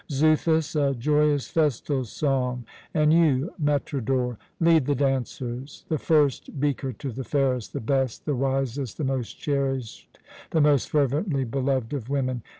Xuthus, a joyous festal song! And you, Metrodor, lead the dancers! The first beaker to the fairest, the best, the wisest, the most cherished, the most fervently beloved of women!"